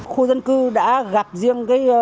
khu dân cư đã gặp riêng